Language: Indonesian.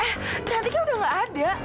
eh cantiknya udah gak ada